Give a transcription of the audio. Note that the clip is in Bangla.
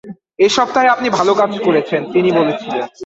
"এই সপ্তাহে আপনি ভাল কাজ করেছেন," তিনি বলেছিলেন।